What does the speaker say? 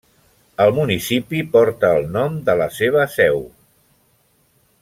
El municipi porta el nom de la seva seu.